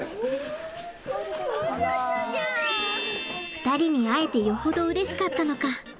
２人に会えてよほどうれしかったのか。